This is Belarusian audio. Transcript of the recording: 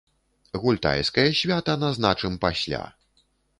Гультайскае свята назначым пасля.